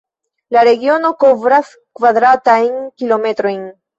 La regiono kovras kvadratajn kilometrojn.